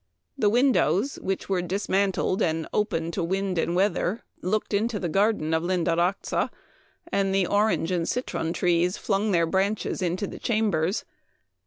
The windows, which were dismantled and open to wind and weather, looked into the garden of Lindaraxa, and the orange and citron trees flung their branches into the chambers.